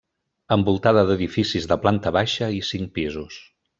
Envoltada d'edificis de planta baixa i cinc pisos.